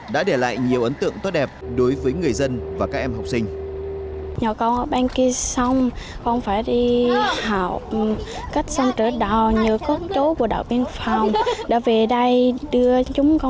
đã để lại nhiều ấn tượng tốt đẹp đối với người dân và các em học sinh